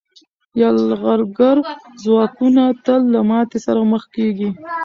یرغلګر ځواکونه تل له ماتې سره مخ کېږي.